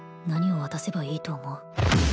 何を渡せばいいと思う？